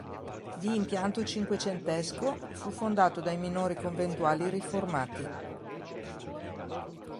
Di impianto cinquecentesco, fu fondato dai Minori Conventuali Riformati.